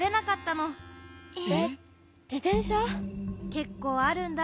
けっこうあるんだ。